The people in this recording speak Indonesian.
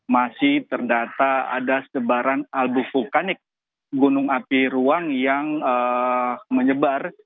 masih terdata ada sebaran abu vulkanik gunung api ruang yang menyebar